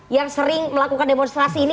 yang sering melakukan demonstrasi ini